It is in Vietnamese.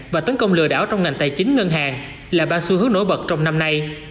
và tấn công lừa đảo trong ngành tài chính ngân hàng là ba xu hướng nổi bật trong năm nay